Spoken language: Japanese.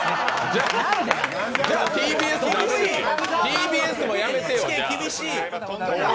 じゃ、ＴＢＳもやめてよ！